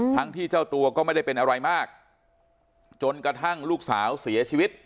ทั้งที่เจ้าตัวก็ไม่ได้เป็นอะไรมากจนกระทั่งลูกสาวเสียชีวิต